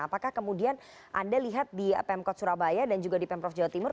apakah kemudian anda lihat di pemkot surabaya dan juga di pemprov jawa timur